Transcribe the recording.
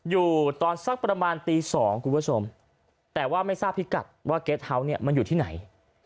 อยู่ตอนสักประมาณตี๒คุณผู้ชมแต่ว่าไม่ทราบพิกัดว่าเกรทเฮาส์เนี่ยมันอยู่ที่ไหน